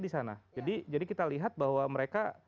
disana jadi kita lihat bahwa mereka